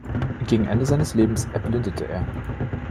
Gegen Ende seines Lebens erblindete er.